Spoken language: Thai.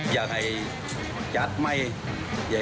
อยากให้รัฐบาลจัดสรรค์ไม่ใยผ่าน